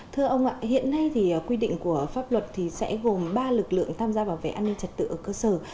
thưa ông ạ hiện nay thì quy định của pháp luật sẽ gồm ba lực lượng tham gia bảo vệ an ninh trật tự ở cơ sở